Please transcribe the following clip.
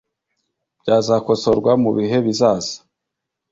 byazakosorwa mu bihe bizaza